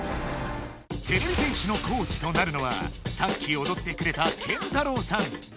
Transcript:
てれび戦士のコーチとなるのはさっきおどってくれたＫＥＮＴＡＲＡＷさん！